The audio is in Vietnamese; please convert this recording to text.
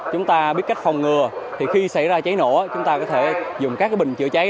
chúng ta biết cách phòng ngừa thì khi xảy ra cháy nổ chúng ta có thể dùng các bình chữa cháy